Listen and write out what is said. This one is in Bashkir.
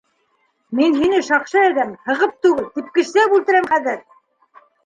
- Мин һине, шаҡшы әҙәм, һығып түгел, типкесләп үлтерәм хәҙер!